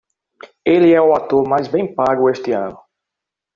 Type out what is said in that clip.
Ele é o ator mais bem pago este ano.